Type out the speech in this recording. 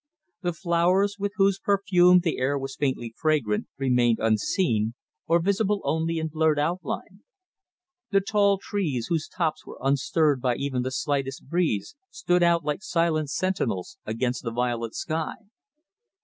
The flowers, with whose perfume the air was faintly fragrant, remained unseen, or visible only in blurred outline; the tall trees, whose tops were unstirred by even the slightest breeze, stood out like silent sentinels against the violet sky.